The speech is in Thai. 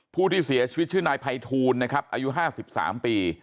ผู้ที่เสียชีวิตชื่อนายไพทูนนะครับอายุห้าสิบสามปี